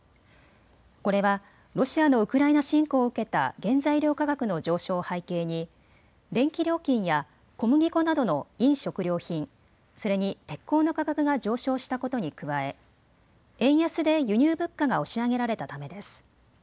これはロシアのウクライナ侵攻を受けた原材料価格の上昇を背景に電気料金や小麦粉などの飲食料品それに鉄鋼の価格が上昇したことに加え円安で輸入物価が押し上げられたためです。